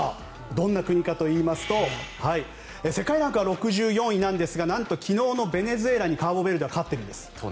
どんな国かといいますと世界ランクは６４位なんですがなんと昨日のベネズエラにカーボベルデは勝ってるんです。